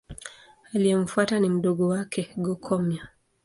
Aliyemfuata ni mdogo wake Go-Komyo.